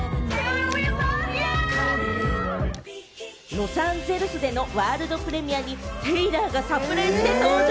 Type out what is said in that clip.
ロサンゼルスでのワールドプレミアにテイラーがサプライズで登場。